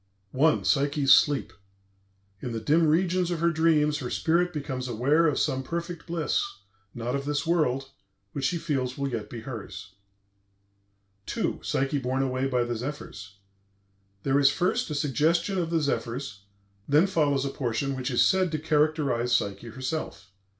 PSYCHE'S SLEEP "In the dim regions of her dreams, her spirit becomes aware of some perfect bliss, not of this world, which she feels will yet be hers." II. PSYCHE BORNE AWAY BY THE ZEPHYRS There is first a suggestion of the zephyrs; then follows a portion which is said to characterize Psyche herself.